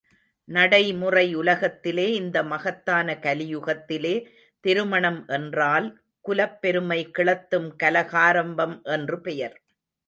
நடைமுறை உலகத்திலே இந்த மகத்தான கலியுகத்திலே, திருமணம் என்றால் குலப் பெருமை கிளத்தும் கலகாரம்பம் என்று பெயர்.